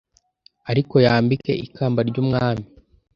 ariko yambike ikamba ry'umwami